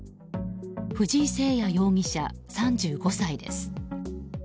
藤井靖也容疑者、３５歳です。